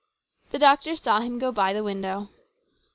The doctor saw him go by the window.